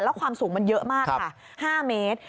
แล้วความสูงมันเยอะมากค่ะ๕เมตร